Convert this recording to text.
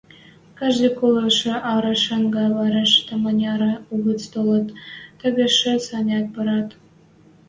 Каждый колышы арашӹнгӓ вӓреш таманяры угӹц толыт, тагышец-ӓнят пырат.